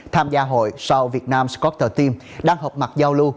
tham gia hội sau việt nam scorter team đang hợp mặt giao lưu